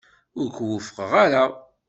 Ur k-wufqeɣ ara.